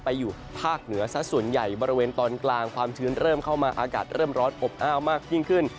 อยู่ภาคเหนือซะส่วนใหญ่บริเวณตอนกลางความชื้นเริ่มเข้ามาอากาศเริ่มร้อนอบอ้าวมากยิ่งขึ้น